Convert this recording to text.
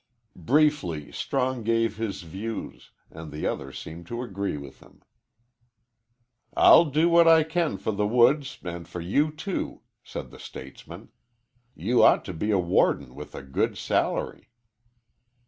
Briefly Strong gave his views, and the other seemed to agree with him. "I'll do what I can for the woods and for you, too," said the statesman. "You ought to be a warden with a good salary."